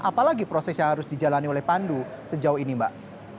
apalagi proses yang harus dijalani oleh pandu sejauh ini mbak